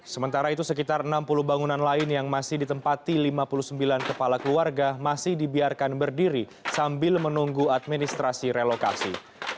sementara itu sekitar enam puluh bangunan lain yang masih ditempati lima puluh sembilan kepala keluarga masih dibiarkan berdiri sambil menunggu administrasi relokasi